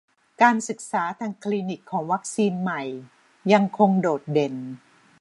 การศึกษาทางคลินิกของวัคซีนใหม่ยังคงโดดเด่น